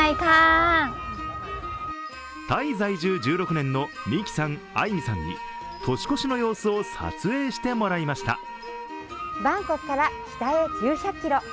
タイ在住１６年のミキさん、アイミさんに年越しの様子を撮影してもらいました。